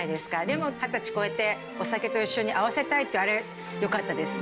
でも二十歳超えて「お酒と一緒に合わせたい」っていうあれよかったです。